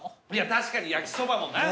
確かに焼きそばもな。